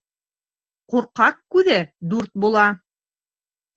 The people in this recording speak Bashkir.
Ҡурҡаҡ күҙе дүрт була